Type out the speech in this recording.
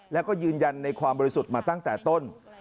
แล้วก็ยืนยันในความบริสุทธิ์มาตั้งแต่ต้น